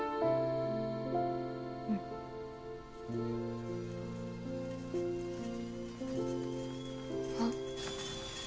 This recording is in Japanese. うん。あっ。